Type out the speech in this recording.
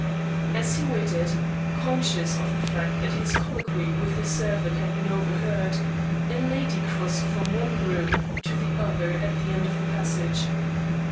As he waited, conscious of the fact that his colloquy with the servant had been overheard, a lady crossed from one room to the other at the end of the passage.